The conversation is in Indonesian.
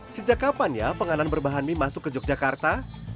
sejak kapan ya penganan berbahan mie masuk ke yogyakarta